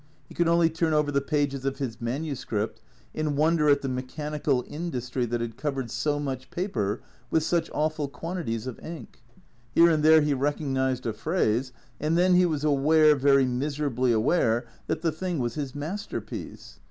He could only turn over the pages of his manuscript, in wonder at the mechanical industry that had covered so much paper with such awful quantities of ink. Here and there he recognized a phrase, and then he was aware, very miserably aware, that the thing was his masterpiece.